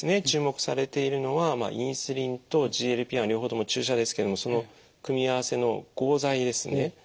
注目されているのはインスリンとＧＬＰ−１両方とも注射ですけどその組み合わせの合剤ですね。